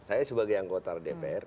saya sebagai anggota dpr